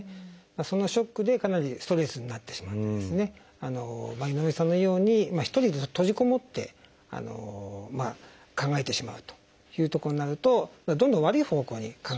そのショックでかなりストレスになってしまって井上さんのように一人で閉じこもって考えてしまうというところになるとどんどん悪い方向に考えてしまうという。